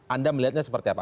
anda melihatnya seperti apa